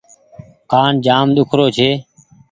ڪآن جآم ۮوکري ڇي ۔